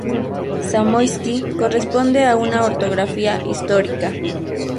Zamoyski corresponde a una ortografía histórica.